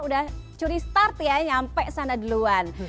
udah curi start ya nyampe sana duluan